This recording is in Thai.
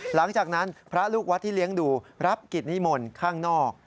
หลังจากนั้นพระลูกวัดที่เลี้ยงดูรับกิจนิมนต์ข้างนอก